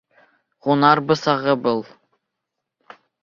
— Һунар бысағы был.